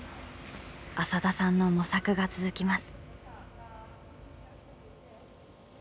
浅田さんの模索が続きます。